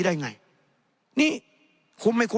ในทางปฏิบัติมันไม่ได้